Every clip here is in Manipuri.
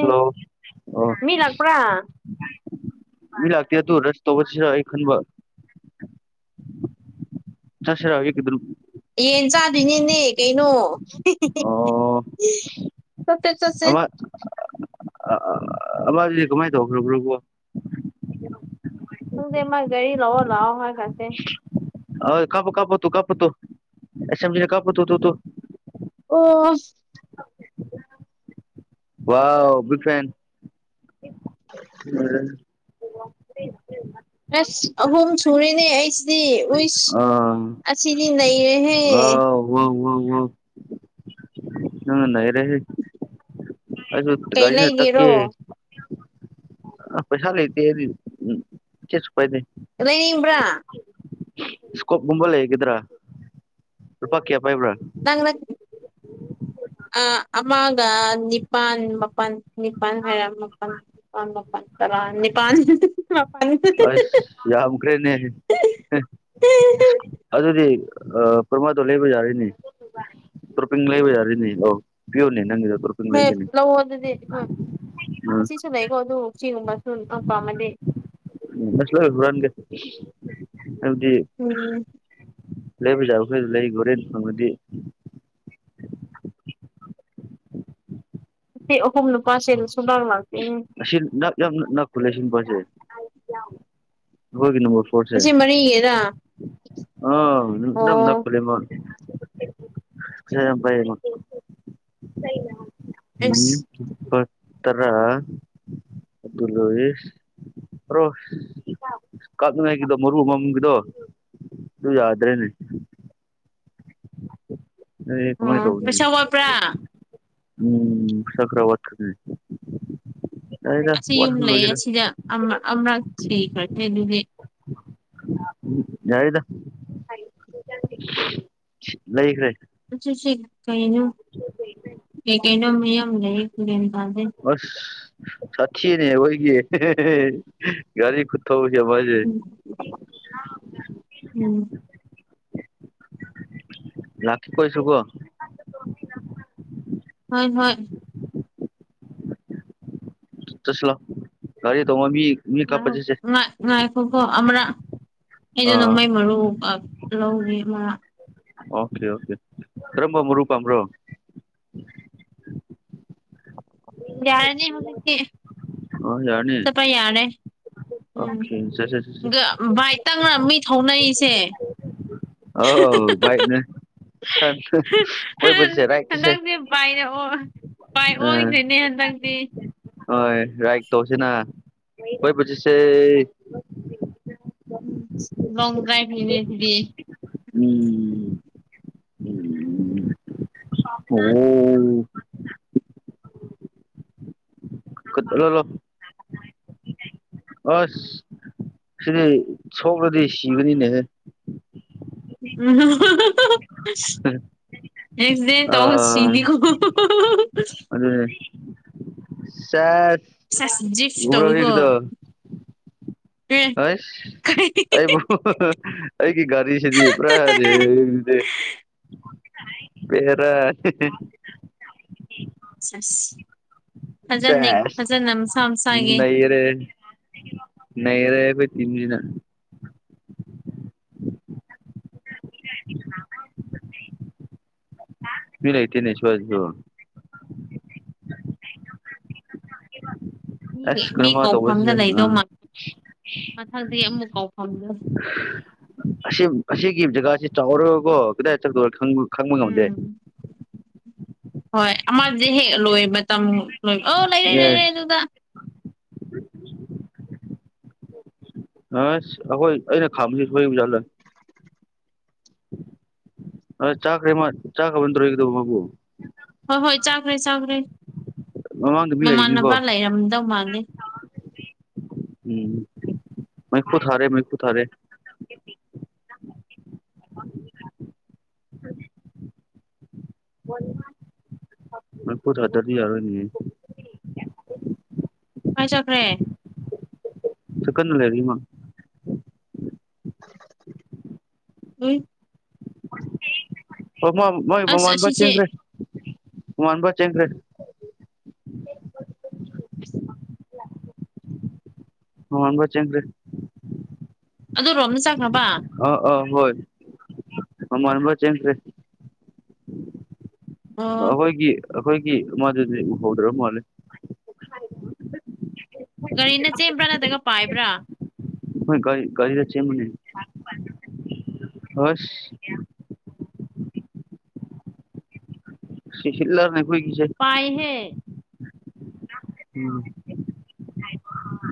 ꯍꯂꯣ ꯃꯤ ꯂꯥꯛꯄ꯭ꯔꯥ ꯑꯣ ꯑꯗꯨ ꯔꯁ ꯇꯧꯕꯁꯤꯅ ꯑꯩ ꯈꯟꯕ ꯆꯠꯁꯤꯔ ꯀꯗ ꯌꯦꯟ ꯆꯥꯗꯣꯏꯅꯦꯅꯦ ꯀꯩꯅꯣ ꯑꯣ ꯆꯠꯁꯦ ꯆꯠꯁꯦ ꯑ ꯑꯕꯥ ꯀꯃꯥꯏ ꯇꯧ ꯈꯔꯔ ꯁꯪꯗꯃ ꯔꯤ ꯂꯑꯣꯣ ꯂꯑꯣ ꯍꯥ ꯈꯥꯁ ꯍ ꯀꯥꯄ ꯀꯥꯄ ꯇꯨ ꯀꯥꯄ ꯇꯨꯁꯝꯖꯤ ꯀꯥꯄ ꯇꯨ ꯇꯨ ꯇ ꯑꯣ ꯋꯥ ꯕꯤꯐꯦꯟ [unintelligible] ꯀ꯭ꯂꯁ ꯑꯍꯨꯝ ꯁꯔꯤꯦꯅꯦ ꯑꯩꯁꯤꯗꯤ ꯎ ꯑꯥ ꯑꯁꯤꯁꯤꯗꯤ ꯅꯍꯦ ꯑꯣ ꯅꯔꯦ ꯑ ꯀꯩ ꯀꯔꯤꯅ ꯇ ꯀ ꯂꯩꯒꯦꯔꯣ ꯑ ꯄꯩꯁꯂꯇꯦꯁꯨꯄꯥꯏꯗꯦ ꯑꯦ ꯅꯕ꯭ꯔꯥ ꯏꯁꯀꯣꯞꯒꯨꯝꯕꯂ ꯍꯦꯒꯗ꯭ꯔꯥ ꯔꯨꯄꯥ ꯀꯦꯌꯥ ꯄꯥꯏꯕ꯭ꯔꯥ [unintelligible] ꯑ ꯑꯃꯒ ꯅꯤꯄꯥꯜ ꯃꯥꯄꯜ ꯅꯤꯄꯥꯜ ꯍꯥꯏꯔ ꯃꯥꯄꯜ ꯅꯤꯄꯥꯜ ꯑꯠꯇꯔꯅꯤ ꯄꯥꯟ ꯑꯁ ꯌꯥꯝꯈ꯭ꯔꯦꯅꯦ ꯑꯗꯨꯗꯤ ꯄꯔꯃꯥꯗꯣ ꯂꯩꯕ ꯌꯥꯔꯤꯅꯤ ꯇ꯭ꯔꯄꯤꯡ ꯂꯩꯕ ꯌꯥꯔꯤꯅꯤ ꯑ ꯄꯤꯌꯣꯔꯅꯤꯅꯤ ꯍ ꯂ ꯑꯣꯗꯗꯤ ꯍꯣꯏ ꯎꯝ ꯑꯁꯤꯁꯨ ꯂꯩꯀꯣ ꯑꯗꯨ ꯆꯦꯒꯨꯝꯕꯁꯨ ꯌꯥꯝꯪ ꯄꯥꯝꯃꯗꯤ ꯑꯁꯂ ꯍꯨꯔꯒꯁ ꯑꯗꯤ ꯎꯝ ꯂꯩꯕ ꯌꯥꯥ ꯑꯩꯈꯣꯏꯁꯨ ꯂꯩ ꯈꯣꯔꯦꯟ ꯐꯪꯉꯗꯤ ꯑꯍꯨꯝꯅ ꯄꯁꯦ ꯁꯤ ꯌꯥꯝ ꯅ ꯈꯨꯂꯦ ꯁꯤ ꯄꯁꯦ ꯍꯒꯅ ꯑꯁꯤ ꯃꯅꯤꯌꯦꯗ ꯑꯣ ꯅꯝ ꯅ ꯀꯨꯂꯤ [unintelligible] ꯎꯝ ꯏ ꯑꯁ ꯇꯔ ꯑꯜꯍꯤ ꯔꯣ ꯀꯥꯥꯁꯅ ꯍꯒꯗꯣ ꯃꯔꯕꯨ ꯃꯃꯒꯤꯗꯣ ꯑꯗꯨꯗꯨ ꯌꯥꯗ꯭ꯔꯦꯅꯦ ꯑꯩ ꯀꯃꯥꯏꯅ ꯑꯣ ꯇꯧꯅꯤ ꯄꯩꯁꯥ ꯑꯣꯏꯏꯕ꯭ꯔꯥ ꯎꯝ ꯆꯀ꯭ꯔ ꯋꯥꯠꯅꯤ ꯑꯁꯤ ꯌꯨꯝ ꯂꯩꯌꯦ ꯑꯁꯤꯗ ꯑꯃ ꯑꯃꯔꯛ ꯊꯤꯈ꯭ꯔꯕ꯭ꯅꯦ ꯑꯗꯨꯗꯤ ꯌꯥꯏꯗ ꯂꯩꯈ꯭ꯔꯦ ꯀꯩꯅꫭ ꯀꯩ ꯀꯩꯅꫭ ꯃꯌꯥꯝ ꯂꯩꯌꯦ ꯇꯥꯗꯦ ꯑꯁ ꯁꯥꯊꯤꯅꯦ ꯑꯈꫭꯏꯒꯤ ꯒꯥꯔꯤ ꯈꯨꯊꯧ ꯋꯥꯖꯦ ꯎꯝ ꯎꯝ ꯂꯥꯈꯤ ꯀꯣꯏꯁꯨ ꯀꯣ ꯍꯣꯏ ꯍꯣꯏ ꯆꯠꯁꯤ ꯂꯥꯎ ꯒꯥꯔꯤ ꯇꯣꯡꯕ ꯃꯤ ꯃꯤ ꯀꯥꯞꯄ ꯆꯠꯁꯦ ꯉꯥꯏꯈꫭ ꯉꯥꯏꯈꫭꯀꯣ ꯑꯃꯔꯛ ꯑꯩꯗꫭ ꯑꯥ ꯅꯣꯡꯃꯩ ꯃꯔꯨ ꯑ ꯂꯧꯒꯦ ꯃꯥ ꯑꯣꯀꯦ ꯑꯣꯀꯦ ꯀꯔꯝꯕ ꯃꯔꯨ ꯄꯥꯝꯕ꯭ꯔꯣ ꯌꯥꯔꯅꯤ ꯍꯧꯖꯤꯛꯇꯤ ꯑꯣ ꯌꯥꯔꯅꯤ ꯆꯄꯥ ꯌꯥꯔꯦ ꯎꯝ ꯑꯣꯀꯦ ꯆꯠꯁꯦ ꯆꯠꯁꯦ ꯒ ꯕꯥꯏꯠ ꯇꯪꯂ ꯃꯤ ꯊꯧꯅꯔꯤꯁꯦ ꯥꯑ ꯑ ꯕꯥꯏꯛꯅꯦ [unintelligible] ꯄꯥꯏ ꯑꯣꯏ ꯑꯥ ꯅꯦꯅꯦ ꯍꯟꯗꯛ ꯍꯣꯏ ꯔꯥꯏꯛ ꯇꯧꯁꯤꯅ ꯀꫭꯏꯕ ꯆꯠꯁꯦ ꯎꯝ ꯂꯣꯡ ꯗ꯭ꯔꯥꯏꯕ ꯅꯤꯅꯦꯁꯤꯗꯤ ꯎꯝ ꯑꯣ ꯀꯠ ꯑꯂꯣ ꯂꫭ ꯑꯁ ꯁꯤꯗꯤ ꯁꯣꯛꯂꯗꯤ ꯁꯤꯕꯅꯤꯅꯦꯍꯦ [inaudible] ꯑꯦꯛꯁꯤꯗꯦꯟ ꯑ ꯇꯧ ꯁꯤꯅꯤꯀꯣ ꯑꯗꯨꯅꯦ ꯁꯦꯁ ꯁꯦꯁ ꯖꯤꯞꯁ ꯎꯕ꯭ꯔ ꯇꯧꯋꯤꯀꯣ ꯍꯧꯖꯤꯛꯒꯤꯗꫭ ꯑꯦ ꯑꯣꯏꯁ ꯀꯔꯤ ꯑꯩꯕꯨ ꯒꯤ ꯒꯥꯔꯤ ꯁꯤꯗꯤ ꯄꯨꯔꯥ ꯔꯦꯁꯤꯗꯤ ꯕꯦꯔꯥꯅꯤ ꯁꯁ ꯁꯦꯁ ꯃꯁꯥꯒꯤ ꯅꯩꯔꯦ ꯅꯩꯔꯦ ꯈꫭꯏ ꯏꯟꯖꯤꯅ [inaudible] ꯃꯤ ꯂꯩꯥꯏꯇꯦꯅꯦ ꯁ꯭ꯋꯥꯏꯁꯤꯁꯨ [inaudible] ꯃꯤꯒꯤ ꯑꯁ ꯃꯤ ꯀꯔꯃꯥ ꯇꯧꯕꯁꯨ ꯀꯧꯐꯝꯗ ꯑ ꯂꯩꯗꯧ ꯃꯥꯜ ꯃꯊꯪꯗꯤ ꯑꯃꯨꯛ ꯀꯧꯐꯝꯗꯣ ꯑꯁꯤ ꯑꯁꯤꯒꯤ ꯖꯒꯥꯁꯤ ꯆꯥꯎꯔꯒꯀꯣ ꯀꯗꯥꯏ ꯆꯠꯀꯗꯧꯔ ꯈꯪ ꯈꯪꯕ ꯉꯝꯗꯦ ꯎꯝ ꯍꯣꯏ ꯑꯃꯗꯤ ꯍꯦꯛ ꯂꯣꯏ ꯃꯇꯝ ꯂꯣꯏꯕ ꯑꫭ ꯂꯩꯔꯦ ꯂꯩꯔꯦ ꯌꯦꯁ ꯑꯗꯨꯗ ꯑꯁ ꯑꯩꯈꯣꯏ ꯑꯩꯅ ꯈꯥꯝꯕꯁꯤ ꯁꫭꯏꯕ ꯖꯥꯠꯂ ꯑ ꯆꯥꯈꯔꯤ ꯃꫭꯏ ꯆꯥꯈꯔ [unintelligible] ꯃꯒꯨ ꯍꯣꯏ ꯍꯣꯏ ꯆꯥꯈ꯭ꯔꯦ ꯆꯥꯈ꯭ꯔꯦ ꯃꯃꯥꯡꯗ ꯃꯤ ꯂꯩꯔꯤꯅꯤꯀꯣ ꯃꯃꯥꯟꯅꯕ ꯂꯩꯔꯝꯗꯧ ꯃꯥꯜꯂꯦ ꯎꯝ ꯃꯩꯈꯨꯨ ꯊꯥꯔꯦ ꯃꯩꯈꯨꯨ ꯊꯥꯔꯦ ꯃꯐꯨꯠ ꯍꯥꯥꯗꯔꯗꯤ ꯌꯥꯔꫭꯏꯅꯦ ꯀꯥꯏ ꯆꯠꯈ꯭ꯔꯦ ꯆꯤꯀꯟꯅ ꯂꯩꯔꯤ ꯃꯥ ꯎꯝ ꯑꯣ ꯃꯣꯏ ꯑꯁ ꯃꯃꯥꯟꯕ ꯑꯁꯤꯁꯦ ꯆꯦꯟꯈ꯭ꯔꯦ ꯃꯃꯥꯟꯕ ꯆꯦꯟꯈ꯭ꯔꯦ [unintelligible] [inaudible] ꯑꯣ ꯍꯪꯒꯣ ꯆꯒꯔꯤ ꯑꯗꯨ ꯔꯣꯝꯅ ꯆꯥꯈ꯭ꯔꯕ ꯃꯃꯥꯟꯕ ꯆꯦꯟꯈꯔꯦ ꯑꯣ ꯑꯍꯣꯏꯒꯤ ꯑꯩꯈꯣꯏꯒꯤ ꯃꯗꯨꯗꯤ ꯎꯍꯧꯗ꯭ꯔꯕ ꯃꯥꯜꯂꯦ ꯒꯥꯔꯤꯅ ꯆꯦꯟꯕ꯭ꯔꯥ ꯅꯠꯇ꯭ꯔꯒ ꯄꯥꯏꯕ꯭ꯔꯥ ꯍꯣꯏ ꯒꯥꯔꯤꯗ ꯆꯦꯟꯕꯅꯦ ꯑꯁ ꯁꯤꯂꯔꯅꯦ ꯄꯥꯏ ꯍꯦ ꯎꯝ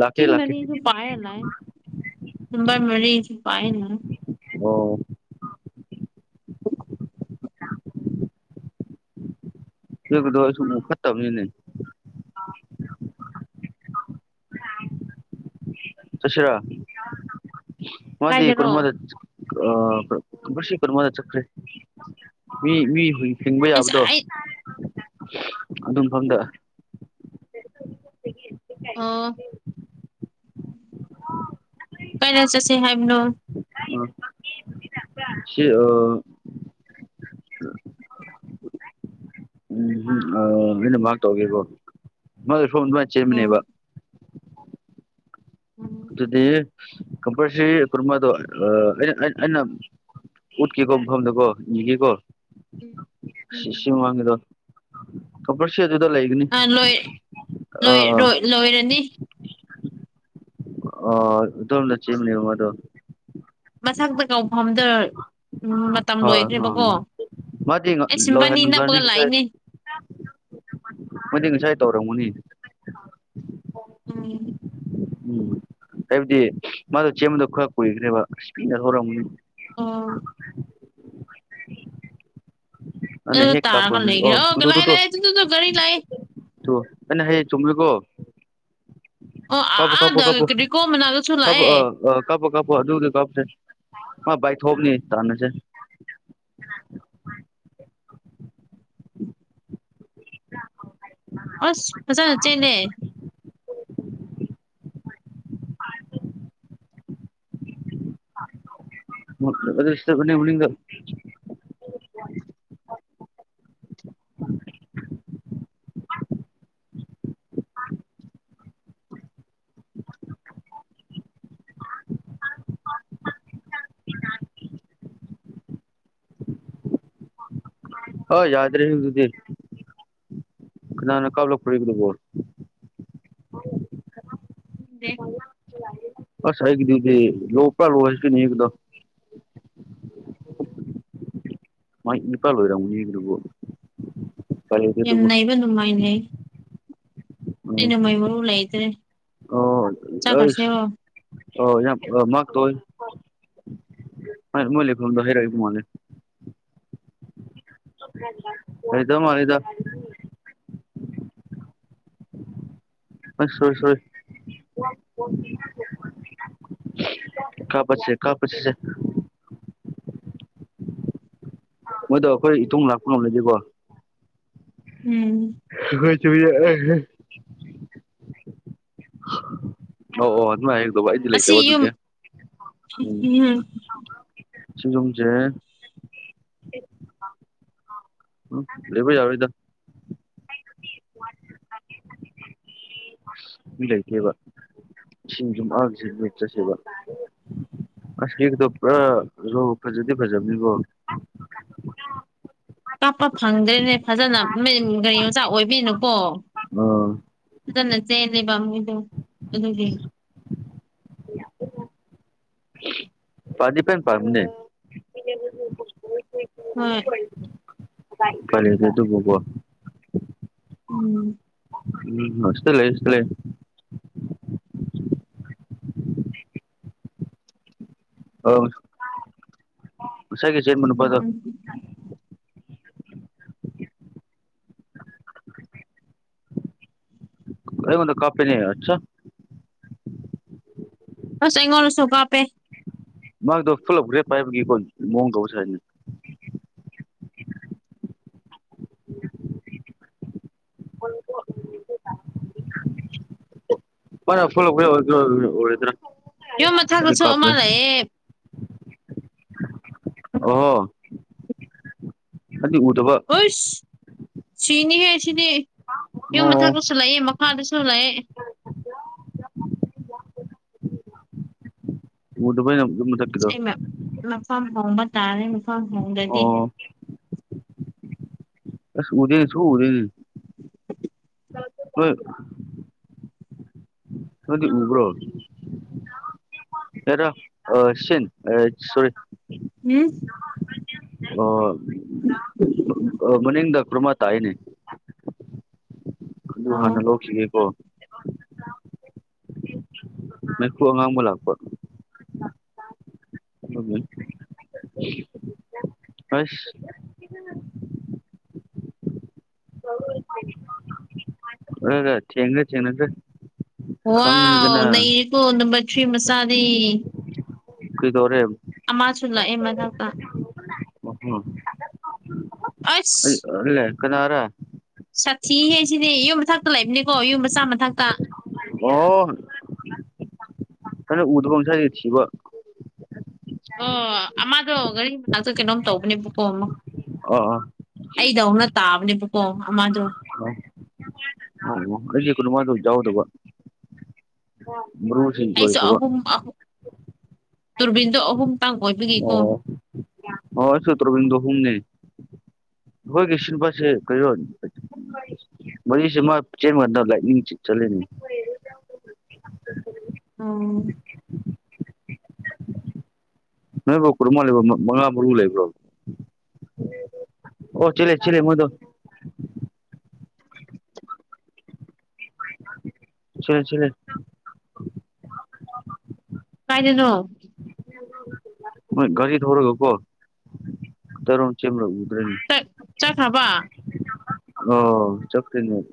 ꯂꯥꯛꯀꯦ ꯄꯆꯤꯁ ꯂꯥꯛꯀꯦ ꯃꯔꯤꯁꯨ ꯄꯥꯏꯂ ꯅꯝꯕꯔ ꯃꯔꯤꯁꯨ ꯄꯥꯏꯅꯦ ꯑꯣ ꯀꯗꯁꯨ ꯐꯠꯇꯅꯦ ꯆꯁꯤꯔꯣ ꯃꯗꯤ ꯀꯥꯏꯗꯔꯣ ꯀꯃꯗ ꯑꯁꯤ ꯀꯃꯗ ꯆꯀ꯭ꯔꯦ ꯃꯤ ꯃꯤ ꯍꯏ ꯍꯤꯡꯕ ꯑꯁ ꯌꯥꯕꯗꯣ ꯑꯩ ꯑꯗꯨ ꯃꯐꯝꯗ ꯑꯥ ꯀꯩꯅ ꯆꯠꯁꯦ ꯍꯥꯏꯕꯅꯣ ꯑꯥ ꯁꯤ ꯑ ꯎ ꯑꯣ ꯑꯩꯅ ꯃꯥ ꯇꯧꯒꯦꯕꯣ ꯃꯥ ꯁꯣꯝ ꯑꯗꯨꯃꯥꯏꯅ ꯎꯝ ꯆꯦꯟꯕꯅꯦꯕ ꯎꯝ ꯑꯗꯨꯗꯤ ꯀꯝꯄꯜꯁꯔꯤ ꯀꯨꯃꯗꯨ ꯑꯩꯅ ꯑꯩꯅ ꯎꯠꯀꯤ ꯀꯣ ꯐꯝꯗꯀꯣ ꯀꯣ ꯎꯝ ꯎꯝ ꯁꯤꯁꯤꯒꯗꯣ ꯈꯔꯁꯤ ꯑꯗꯨꯗ ꯂꯒꯅꯤ ꯑ ꯂꯣꯏ ꯑ ꯂꯣꯏ ꯂꯣꯏ ꯂꯣꯏꯔꯅꯤ ꯑꯣ ꯑꯗꯣꯝꯗ ꯆꯅꯦꯕ ꯃꯗꯣ ꯃꯁꯥꯛꯇ ꯀꯥꯎ ꯐꯝꯗ ꯎꯝ ꯃꯇꯝ ꯍꯣꯏ ꯍꯣꯏ ꯂꯣꯏꯈ꯭ꯔꯦꯕꯀꯣ ꯃꯥꯗꯤ ꯑꯩ ꯁꯤꯕꯥꯅꯤ ꯅꯞꯄꯒ ꯂꯥꯛꯏꯅꯦ ꯃꯗꯤ ꯉꯁꯥꯏ ꯇꯧꯔ ꯃꯨꯅꯤ ꯎꯝ ꯎꯝ ꯍꯥꯏꯕꯗꯤ ꯃꯥꯗꯣ ꯆꯦꯟꯕꯗꯣ ꯈꯔ ꯀꯨꯏꯈ꯭ꯔꯦꯕ ꯑꯁ ꯄꯤꯅ ꯍꯧꯔꯝꯒꯅꯤ ꯑꯥ ꯑ ꯑꯗꯨ ꯍꯦ ꯀꯥꯄ ꯇꯥꯔꯒ ꯅ ꯂꯩꯒꯦ ꯑꯣ ꯇꯨꯗ ꯂꯥꯛꯑꯦ ꯇꯨꯗ ꯂꯥꯛꯑꯦ ꯇꯨ ꯇꯨ ꯇꯨ ꯒꯥꯔꯤ ꯂꯥꯛꯑꯦ ꯑꯩꯅ ꯍꯌꯦꯡ ꯆꯨꯝꯂꯨꯀꯣ ꯑꯣ ꯑꯥ- ꯀꯞꯄꯣ ꯀꯞꯄꯣ ꯑꯥꯗ ꯀꯞꯄꯣ ꯔꯤꯀꯣ ꯃꯅꯥꯛꯇꯁꯨ ꯑ ꯂꯥꯛꯑꯦ ꯀꯞꯄꯣ ꯀꯞꯄꯣ ꯑꯣ ꯑꯗꯨꯒꯤ ꯀꯞꯁꯦ ꯃꯥꯥꯏ ꯊꯣꯞꯑꯅꯤ ꯇꯟꯅꯁꯦ [unintelligible] [unintelligible] ꯑꯁ ꯐꯖ ꯆꯦꯟꯅꯦ ꯑꯗꯣ ꯁꯤꯗ ꯃꯥꯂꯤꯒ ꯍꯣꯏ ꯌꯥꯗ꯭ꯔꯔꯤ ꯑꯗꯨꯗ ꯀꯅꯥꯅ ꯀꯞꯂꯛꯄꯔꯥ ꯁꯤꯕꯣ ꯈꯪꯗꯦ ꯑꯁ ꯑꯪꯒꯤꯗꯤ ꯂꯣꯄꯨꯔ ꯂꯣ ꯁꯤꯀꯤꯅꯤꯗ [unintelligible] ꯃꯥꯏ ꯅꯤꯄꯥ ꯂꯣꯏꯔꯃꯨꯅꯤꯈ꯭ꯔꯕꯣ ꯌꯥꯝꯅꯩꯕ ꯅꯅꯨꯡꯃꯥꯏꯅꯦ ꯑꯩ ꯎꯝ ꯅꯣꯡꯃꯩ ꯃꯔꯨ ꯂꯥꯏꯗ꯭ꯔꯦ ꯑꯣ ꯑꯣ ꯌꯥꯝ ꯃꯥꯛꯇꯧ ꯑꯣꯏ ꯃꯣꯏ ꯂꯩꯐꯝꯗꯣ ꯍꯥꯏꯔꯛꯑꯗꯤ ꯂꯩꯇꯥ ꯃꯥꯜꯂꯤꯗ ꯑꯁ ꯁꯣꯏ ꯀꯞꯄ ꯀꯞꯄꯁꯦ ꯄꯁꯦ ꯃꯣꯏꯗꯣ ꯑꯩꯈꯣꯏ ꯏꯇꯨꯡ ꯂꯥꯛꯄ ꯉꯝꯂꯗꯤꯀꯣ ꯎꯝ ꯈꯣꯏꯁꯨ ꯑꯣ ꯑꯣ ꯑꯗꯨ ꯃꯥ ꯍꯗ ꯏꯗꯤ ꯂꯩꯇ ꯑꯁꯤ ꯑꯗꯨ ꯌꯨꯝ ꯀꯦ ꯎꯝ ꯁꯤꯒꯝꯁꯦ ꯎꯝ ꯂꯩꯦꯕ ꯌꯥꯎꯗ ꯂꯩ ꯀꯦꯕ ꯁꯤꯁꯤꯡꯖ ꯑꯁꯤ ꯆꯁꯦꯕ ꯑꯁꯛꯇꯣ ꯄꯨꯔꯥ ꯐꯖꯗꯤ ꯐꯖꯕꯅꯤꯕꯣ ꯀꯥꯞꯄ ꯐꯪꯗ꯭ꯔꯦꯅꯦ ꯐꯖꯅ ꯒꯥꯔꯤ ꯃꯆꯥ ꯑꯣꯏꯕꯤꯅꯨꯀꯣ ꯑꯥ ꯑꯗꯨꯗ ꯅꯆꯦꯅꯦꯕꯕꯥꯃꯣꯏꯗꯣ ꯑꯗꯨꯒꯤ [unintelligible] ꯄꯗꯤꯄꯅ ꯄꯔꯅꯦ ꯎꯝ ꯐꯦꯁ ꯇꯨꯕꯨꯕꯣ ꯎꯝ ꯎꯝ ꯑꯁ ꯂꯩ ꯏꯁ ꯂꯩ ꯑ ꯉꯁꯥꯏꯒꯤ ꯆꯦꯔ ꯎꯝ ꯃꯅꯤꯄꯗꯣ ꯎꯝ ꯑꯩ ꯃꯗ ꯀꯄꯤꯅꯤ ꯍꯥꯠꯆ ꯑꯁ ꯑꯩꯉꯣꯟꯗꯁꯨ ꯀꯥꯞꯄꯦ ꯃꯥꯗꯣ ꯐꯨꯜ ꯑꯞꯒ꯭ꯔꯦꯗ ꯄꯥꯏꯕꯒꯤꯀꯣ ꯃꯑꯣꯡ ꯇꯧꯕꯁꯨ ꯍꯥꯏꯅꯤ ꯐꯔ ꯐ ꯐꯗ꯭ꯔ ꯌꯨꯝ ꯃꯊꯛꯇꯁꯨ ꯑꯃ ꯀꯄꯃꯦ ꯂꯩꯌꯦ ꯑꯣꯍꯣ ꯑꯗꯨꯗꯤ ꯎꯗꯕ ꯎꯁ ꯁꯤꯅꯤꯍꯦ ꯁꯤꯗꯤ ꯌꯨꯝ ꯑꯣ ꯃꯊꯛꯛꯇꯁꯨ ꯂꯩꯑꯦ ꯃꯈꯥꯗꯁꯨ ꯂꯩꯑꯦ [unintelligible] ꯃꯗꯨꯕ ꯊꯀꯤꯗꯣ ꯃ ꯍꯣꯡꯕ ꯇꯥꯔꯦ ꯃꯪ ꯍꯣꯡꯗꯗꯤ ꯑꯁ ꯎꯗꯦꯅꯤ ꯁꯨ ꯎꯗꯦꯅꯤ [unintelligible] ꯍꯣꯏ ꯃꯗꯤ ꯏꯕ꯭ꯔꯣ ꯍꯗꯤ ꯍꯔ ꯁꯤ ꯁꯣꯔꯤ ꯎꯝ ꯑꯣ ꯃꯅꯤꯗ ꯀ꯭ꯔꯃꯥ ꯇ ꯍꯥꯏꯅꯤ ꯑꯗꯨ ꯑꯣ ꯍꯥꯟꯅ ꯂꯧꯈꯤꯒꯦꯀꯣ ꯃ ꯉꯃꯨꯂꯛꯄ ꯍꯁ ꯑ ꯊꯦꯡꯉ ꯆꯦꯡꯉꯗ ꯋꯥ ꯅꯀꯣ ꯅꯝꯕꯔ ꯊ꯭ꯔꯤ ꯃꯁꯥꯔꯤ ꯀꯣꯏꯗꯧꯔꯦ ꯑꯃꯁꯁꯨ ꯂꯥꯛꯑꯦ ꯃꯅꯥꯛꯇ ꯑꯂꯦ ꯀꯅꯥꯔꯥ ꯁꯥꯊꯤ ꯍꯥꯏ ꯁꯤꯗꯤ ꯌꯨꯝ ꯃꯊꯥꯛꯛꯇ ꯂꯩꯕꯅꯤꯀꯣ ꯌꯨꯝ ꯃꯆꯥꯥꯝ ꯃ ꯊꯥꯛꯛꯇ ꯑꯣ ꯊ ꯎꯗꯒꯝ ꯁꯥꯔꯤ ꯊꯕ ꯑꯣ ꯑꯃꯗꯣ ꯒꯥꯔꯤ ꯃꯅꯥꯛꯇ ꯀꯩꯅꯣꯝ ꯇꯧꯕꯅꯦꯕꯀꯣ ꯑꯃꯨꯛ ꯑꯣ ꯑꯩꯗ ꯍꯧꯅ ꯇꯥꯕꯅꯦꯕꯀꯣ ꯑꯃꯗꯣ ꯈꯨꯃ ꯑꯗꯨ ꯌꯥꯎꯗꯕ ꯃꯨꯁꯤꯡ ꯑꯩꯁꯨ ꯑꯣꯏꯣꯏꯁꯨꯕ ꯑꯍꯨꯝ ꯇꯨꯔꯕꯤꯟꯗꯣ ꯑꯍꯨꯝ ꯇꯥꯡ ꯑꯣꯏꯕꯒꯤꯀꯣ ꯑꯣ ꯑꯣ ꯁꯇ꯭ꯔꯕꯗ ꯍꯨꯝꯨꯝꯅꯦ ꯍꯣꯏ ꯀꯁꯟ ꯄꯁꯦ ꯀꯣ ꯃꯁꯤꯃ ꯆꯦꯟ ꯂꯥꯏꯅꯤꯡ ꯆꯅꯤ ꯑꯥ ꯅꯣꯏ ꯀꯔꯃ ꯂꯩꯕ ꯃꯪꯥ ꯂꯩꯕ꯭ꯔꯣ ꯑꯣ ꯆꯂꯦ ꯆꯂ ꯃꯗꯨ ꯁꯤꯦ ꯁꯤ ꯀꯥꯏꯗꯅꯣ ꯔꯤ ꯊꯔꯀꯣ ꯇꯔꯣ ꯆ ꯂ ꯎꯗꯔꯦ ꯊꯕ ꯑꯣ ꯆꯅꯤ